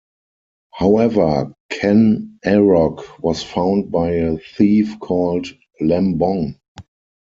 However, Ken Arok was found by a thief called Lembong.